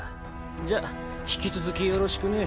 じゃ引き続きよろしくね。